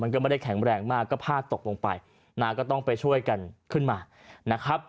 มันก็ไม่ได้แข็งแรงมากก็ผ้าตกลงไปก็ต้องไปช่วยกันขึ้นมา